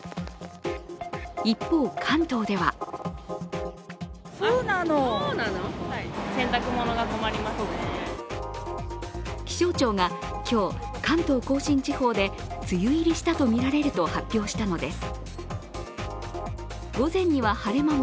一方、関東では気象庁が今日、関東甲信地方で梅雨入りしたとみられると発表したのです。